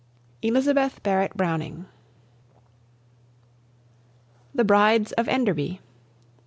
ELIZABETH BARRETT BROWNING. THE BRIDES OF ENDERBY.